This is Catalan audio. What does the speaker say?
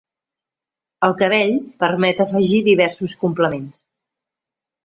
El cabell permet afegir diversos complements.